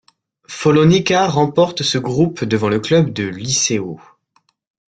Follonica remporte ce groupe devant le club de Liceo.